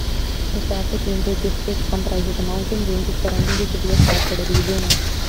The Safford Ranger District comprises the mountain ranges surrounding the city of Safford, Arizona.